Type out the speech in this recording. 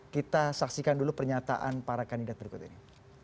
kita saksikan dulu pernyataan para kandidat berikut ini